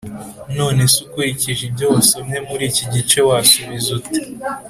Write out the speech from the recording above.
None se ukurikije ibyo wasomye muri iki gice wasubiza ute